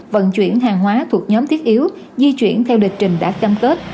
vận chuyển hàng hóa thuộc nhóm thiết yếu di chuyển theo địch trình đã cam kết